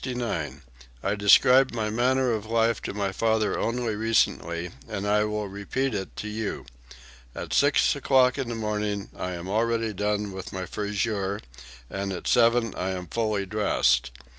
"I described my manner of life to my father only recently, and I will now repeat it to you. At six o'clock in the morning I am already done with my friseur, and at seven I am fully dressed.